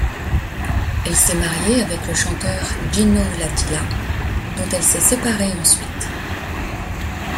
Elle s'est mariée avec le chanteur Gino Latilla, dont elle s'est séparée ensuite.